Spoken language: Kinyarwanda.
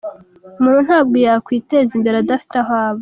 Umuntu ntabwo yakwiteza imbere adafite aho aba”.